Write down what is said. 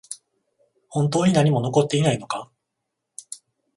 本当に何も残っていないのか？